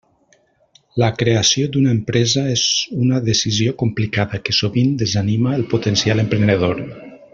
La creació d'una empresa és una decisió complicada que sovint desanima el potencial emprenedor.